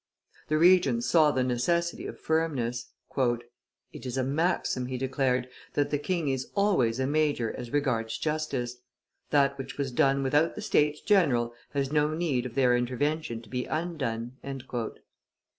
The Regent saw the necessity of firmness. "It is a maxim," he declared, "that the king is always a major as regards justice; that which was done without the states general has no need of their intervention to be undone."